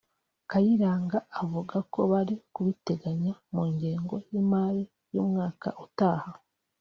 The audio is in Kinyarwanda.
Kayiranga avuga ko bari kubiteganya mu ngengo y’imari y’umwaka utaha